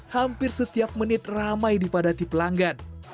hampir setiap menit ramai dipadati pelanggan